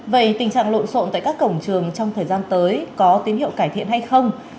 vậy tình trạng lộn xộn tại các cổng trường trong thời gian tới có tín hiệu cải thiện hay không